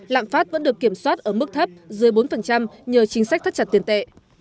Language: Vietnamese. lạm phát vẫn được kiểm soát ở mức thấp dưới bốn nhờ chính sách thắt chặt tiền tệ